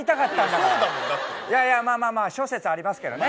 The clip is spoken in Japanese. いやいやまあまあまあ諸説ありますけどね。